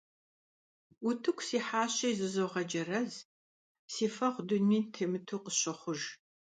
Утыку сихьащи, зызогъэджэрэз, си фэгъу дунейм темыту къысщохъуж.